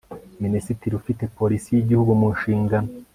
minisitiri ufite polisi y'igihugu mu nshingano